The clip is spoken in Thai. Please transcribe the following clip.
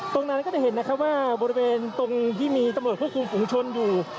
ตรงนั้นก็จะเห็นนะครับว่าบริเวณตรงที่มีตำรวจควบคุมฝุงชนอยู่